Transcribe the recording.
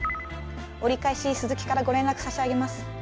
折り返し鈴木からご連絡差し上げます。